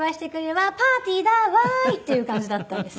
わあーパーティーだわーいっていう感じだったんです。